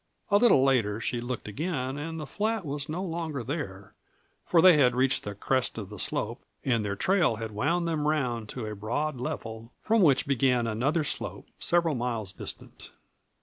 A little later she looked again, and the flat was no longer there, for they had reached the crest of the slope and their trail had wound them round to a broad level, from which began another slope, several miles distant.